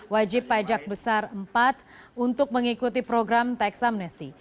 wajib pajak besar empat untuk mengikuti program teksamnesti